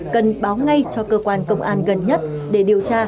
cần báo ngay cho cơ quan công an gần nhất để điều tra